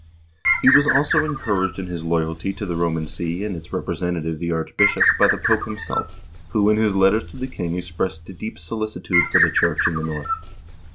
He was also encouraged in his loyalty to the Roman See and its representative the archbishop by the Pope himself, who in his letters to the king expressed deep solicitude for the church in the North.